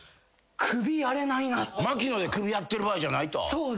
「まきの」で首やってる場合じゃないと。